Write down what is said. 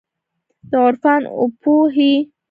د عرفان اوپو هي